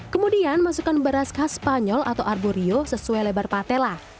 kemudian masukkan beras khas spanyol atau arborio sesuai lebar patela